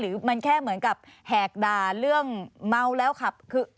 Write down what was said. หรือมันแค่เหมือนกับแหกด่าเรื่องเมาแล้วขับคือ